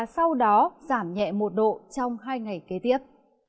sau đó giảm nhẹ một độ trong hai ngày kế tiếp